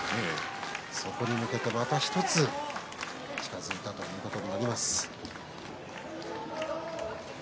そこに向けて、また１つ近づいたということになります。